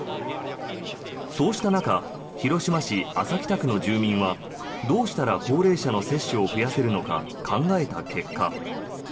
そうした中広島市安佐北区の住民はどうしたら高齢者の接種を増やせるのか考えた結果。